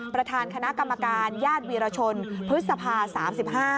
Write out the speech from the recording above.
ประธานคณะกรรมการญาติวีรชนพฤษภา๓๕